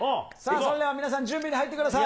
それでは皆さん、準備に入ってください。